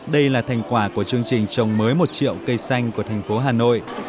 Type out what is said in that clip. đây là thành quả của chương trình trồng mới một triệu cây xanh của thành phố hà nội